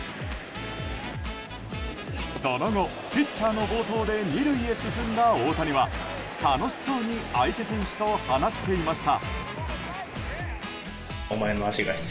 その後、ピッチャーの暴投で２塁へ進んだ大谷は楽しそうに相手選手と話していました。